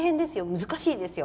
難しいですよ。